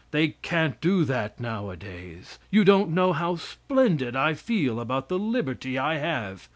They can't do that now a days! You don't know how splendid I feel about the liberty I have.